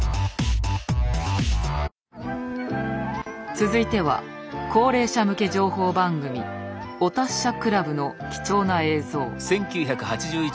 続いては高齢者向け情報番組「お達者くらぶ」の貴重な映像。